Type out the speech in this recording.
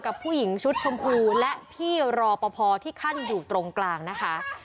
กับผู้หญิงชุดชมพูและพี่รอปภที่ขั้นอยู่ตรงกลางนะคะ